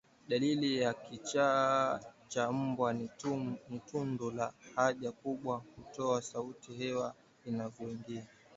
Dalili ya kichaa cha mbwa ni tundu la haja kubwa hutoa sauti hewa inavyoingia